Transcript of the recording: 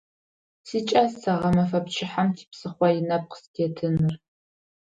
СикӀас сэ гъэмэфэ пчыхьэм типсыхъо инэпкъ сытетыныр.